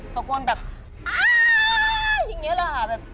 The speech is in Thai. ตะโกนแบบ